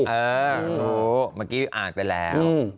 เออรู้เมื่อกี้อ่านไปแล้ว